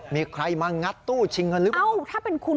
มีใครมางัดตู้ชิงเงินหรือว่าเอ้าถ้าเป็นคุณ